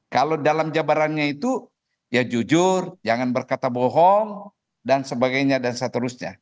kalau dalam jabarannya itu ya jujur jangan berkata bohong dan sebagainya dan seterusnya